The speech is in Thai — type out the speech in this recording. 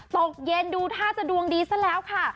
ตกเย็นดูท่าจะดวงดีซะแล้วค่ะ